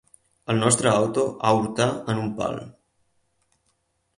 El nostre auto aürtà en un pal.